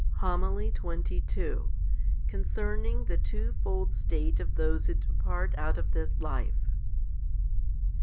1 Eph. vi. 14. HOMILY XXII Concerning the twofold state of those who depart out of this life.